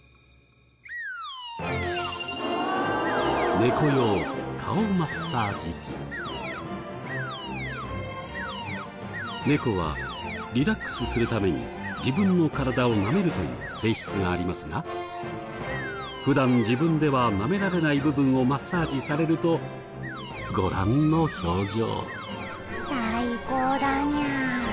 猫用猫はリラックスするために自分の体を舐めるという性質がありますが普段自分では舐められない部分をマッサージされるとご覧の表情。